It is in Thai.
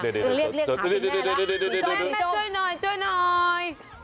เด้อเด้อคุณแม่ให้ช่วยหน่อย